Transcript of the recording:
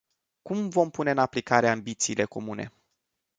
Cum vom pune în aplicare ambițiile comune?